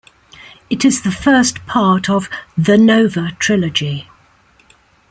It is the first part of "The Nova Trilogy".